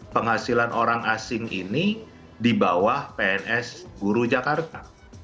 penghasilan orang asing ini di bawah pns guru jakarta